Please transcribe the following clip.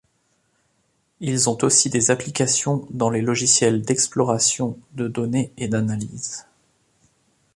Ils ont aussi des applications dans les logiciels d'exploration de données et d'analyse.